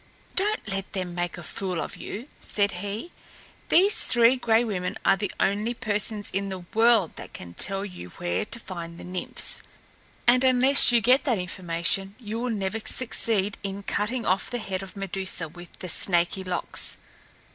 "Don't let them make a fool of you!" said he. "These Three Gray Women are the only persons in the world that can tell you where to find the Nymphs, and unless you get that information you will never succeed in cutting off the head of Medusa with the snaky locks.